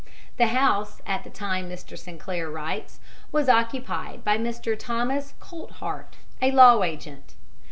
The house, at the time Mr. Sinclair writes, was occupied by Mr. Thomas Coltheart, a law agent.